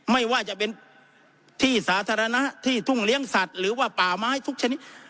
ไม่ว่าจะเป็นที่สาธารณะที่ทุ่งเลี้ยงสัตว์หรือว่าป่าไม้ทุกชนิด